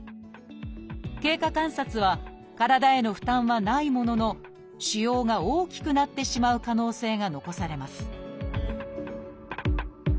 経過観察は体への負担はないものの腫瘍が大きくなってしまう可能性が残されます